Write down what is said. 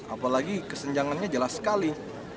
apalagi kesenjangannya jelas sekali